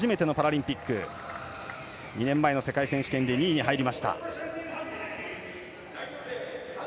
２年前の世界選手権で２位に入りました。